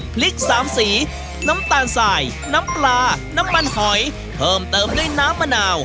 พริกสามสีน้ำตาลสายน้ำปลาน้ำมันหอยเพิ่มเติมด้วยน้ำมะนาว